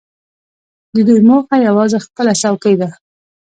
د دوی موخه یوازې خپله څوکۍ ده.